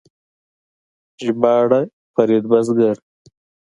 ژباړ: فرید بزګر